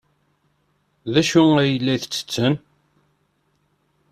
D acu ay la ttetten?